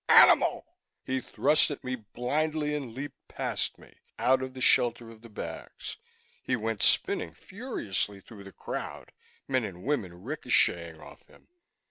Animal!" He thrust at me blindly and leaped past me, out of the shelter of the bags; he went spinning furiously through the crowd, men and women ricocheting off him.